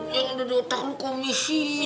yang ada di otak lu komisi